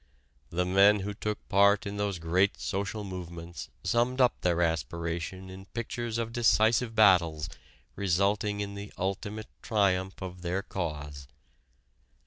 The men who took part in those great social movements summed up their aspiration in pictures of decisive battles resulting in the ultimate triumph of their cause.